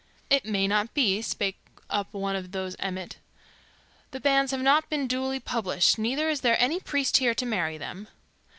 "It may not be," spake up one of those of Emmet. "The banns have not been duly published, neither is there any priest here to marry them."